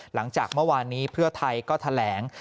หลังจากเมื่อวานนี้เพื่อไทยก็แถลง